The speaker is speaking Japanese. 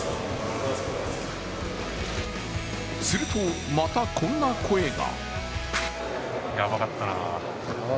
すると、またこんな声が。